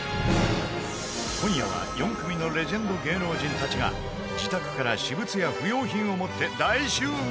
今夜は４組のレジェンド芸能人たちが自宅から、私物や不要品を持って大集合